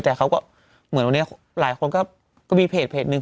แต่เขาก็เหมือนวันนี้หลายคนก็มีเพจหนึ่ง